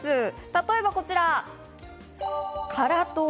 例えばこちら。